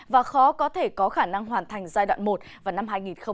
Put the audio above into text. và khó có thể có khả năng hoàn thành giai đoạn một vào năm hai nghìn hai mươi năm